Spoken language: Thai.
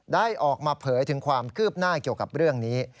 ได้ออกมาเผยถึงความคืบหน้าเกี่ยวกับเรื่องนี้